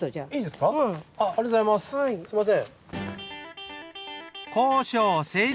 すみません。